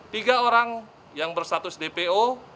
tiga orang yang berstatus dpo